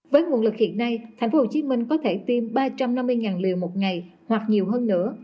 với nguồn lực hiện nay thành phố hồ chí minh có thể tiêm ba trăm năm mươi liều một ngày hoặc nhiều hơn nữa